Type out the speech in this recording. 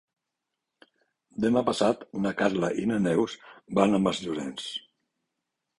Demà passat na Carla i na Neus van a Masllorenç.